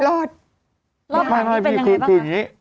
รอดห่างนี้เป็นอย่างไรบ้างนะ